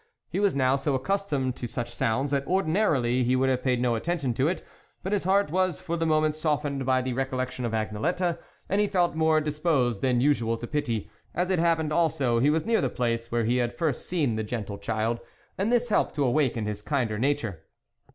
He was now so accustomed to such sounds, that, ordinarily, he would have H 102 THE WOLF LEADER paid no attention to it, but his heart was for the moment softened by the recol lection of Agnelette, and he felt more disposed than usual to pity ; as it hap pened also he was near the place where he had first seen the gentle child, and this helped to awaken his kinder nature.